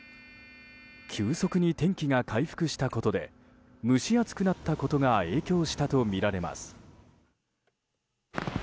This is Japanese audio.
急速に天気が回復したことで蒸し暑くなったことが影響したとみられます。